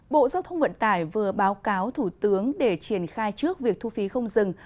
bộ giao thông vận tải vừa báo cáo thủ tướng để triển khai trước việc thu phí không dừng